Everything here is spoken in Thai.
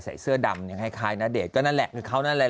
ใส่เสื้อดำคล้ายณเดชน์ก็นั่นแหละคือเขานั่นแหละ